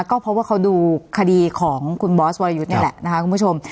ก็เพราะว่าเขาดูคดีของคุณบอสวรยุทธ์นี่แหละนะคะคุณผู้ชม